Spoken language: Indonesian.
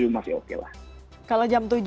masih oke lah kalau jam tujuh